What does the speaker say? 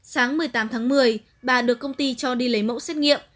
sáng một mươi tám tháng một mươi bà được công ty cho đi lấy mẫu xét nghiệm